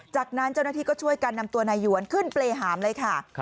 จากนั้นเจ้าหน้าที่ก็ช่วยกันนำตัวนายหยวนขึ้นเปรย์หามเลยค่ะ